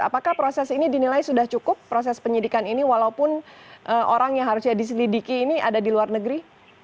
apakah proses ini dinilai sudah cukup proses penyidikan ini walaupun orang yang harusnya diselidiki ini ada di luar negeri